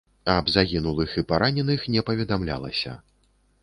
Аб загінулых і параненых не паведамлялася.